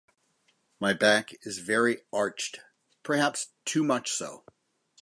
My back is very arched, perhaps too much so.